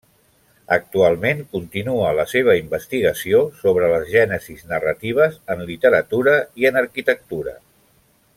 Actualment continua la seva investigació sobre les gènesis narratives en literatura i en arquitectura.